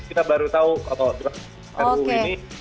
kita baru tahu kalau draft ruu ini